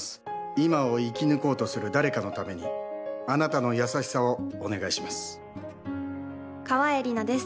今を生き抜こうとする誰かのためにあなたの優しさをお願いします。